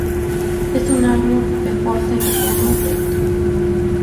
Es un árbol de porte mediano, recto.